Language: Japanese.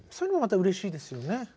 うれしいですね。